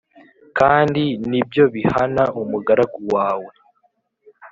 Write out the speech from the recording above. Kandi ni byo bihana umugaragu wawe